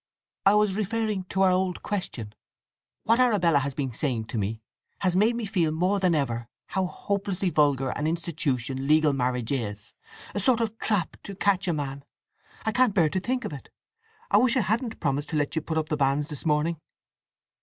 "I was referring to our old question. What Arabella has been saying to me has made me feel more than ever how hopelessly vulgar an institution legal marriage is—a sort of trap to catch a man—I can't bear to think of it. I wish I hadn't promised to let you put up the banns this morning!"